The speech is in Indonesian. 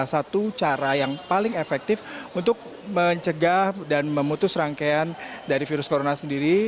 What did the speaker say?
salah satu cara yang paling efektif untuk mencegah dan memutus rangkaian dari virus corona sendiri